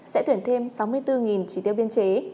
sẽ tuyển thêm sáu mươi bốn trí tiêu biên chế